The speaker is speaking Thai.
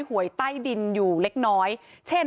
หวยใต้ดินอยู่เล็กน้อยเช่น